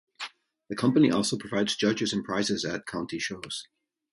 The Company also provides judges and prizes at County Shows.